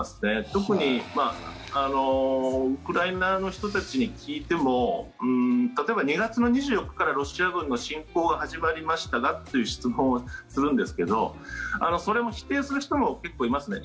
特に、ウクライナの人たちに聞いても例えば２月２４日からロシア軍の侵攻が始まりましたがという質問をするんですけどそれを否定する人も結構いますね。